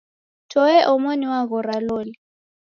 Toe omoni waghora loli.